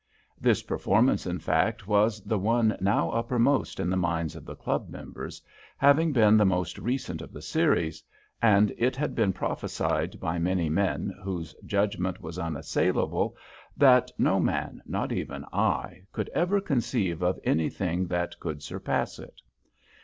This performance, in fact, was the one now uppermost in the minds of the club members, having been the most recent of the series; and it had been prophesied by many men whose judgment was unassailable that no man, not even I, could ever conceive of anything that could surpass it.